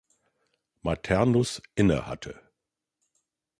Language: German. Maternus innehatte.